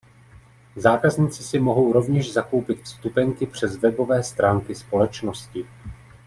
Zákazníci si mohou rovněž zakoupit vstupenky přes webové stránky společnosti.